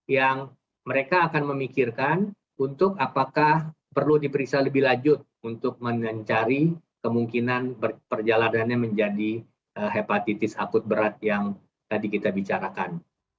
yang mereka akan memikirkan untuk apakah perlu diperiksa lebih lanjut untuk mencari kemungkinan perjalanannya menjadi hepatitis akut berat yang tadi kita bicarakan